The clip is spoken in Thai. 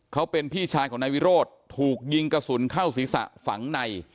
เขาเป็นพี่ชายของนายวิโรธถูกยิงกระสุนเข้าศีรษะฝังใน